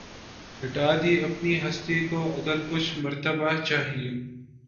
مٹا دی اپنی ھستی کو اگر کچھ مرتبہ چاھے